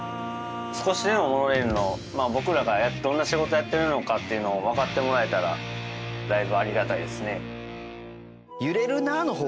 少しでもモノレールの僕らがどんな仕事やってるのかっていうのをわかってもらえたらだいぶありがたいですね。